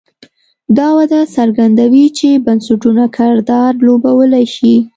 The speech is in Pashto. دا وده څرګندوي چې بنسټونه کردار لوبولی شي.